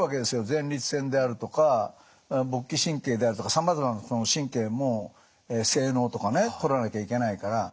前立腺であるとか勃起神経であるとかさまざまな神経も精のうとかね取らなきゃいけないから。